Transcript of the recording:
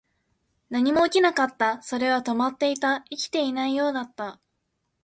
何も起きなかった。それは止まっていた。生きていないようだった。